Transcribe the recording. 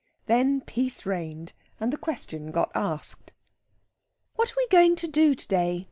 Then peace reigned and the question got asked. "What are we going to do to day?"